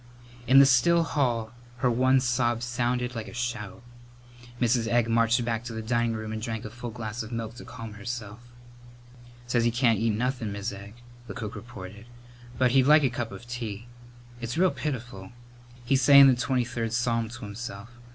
In the still hall her one sob sounded like a shout. Mrs. Egg marched back to the dining room and drank a full glass of milk to calm herself. "Says he can't eat nothin', Mis' Egg," the cook reported, "but he'd like a cup of tea. It's real pitiful. He's sayin' the Twenty third Psalm to himself.